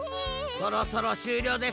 そろそろしゅうりょうでっせ。